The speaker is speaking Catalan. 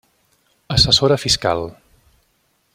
Assessora Fiscal.